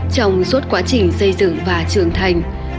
trong suốt quá trình xây dựng và trưởng thành